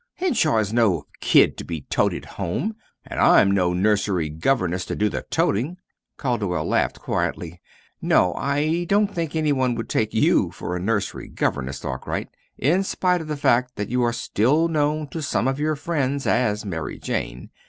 Henshaw is no kid to be toted home, and I'm no nursery governess to do the toting!" Calderwell laughed quietly. "No; I don't think any one would take you for a nursery governess, Arkwright, in spite of the fact that you are still known to some of your friends as 'Mary Jane.'